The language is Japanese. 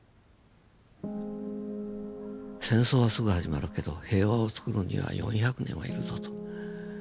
戦争はすぐ始まるけど平和をつくるには４００年は要るぞと。